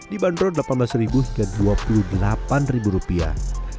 dibanderol delapan belas hingga dua puluh delapan rupiah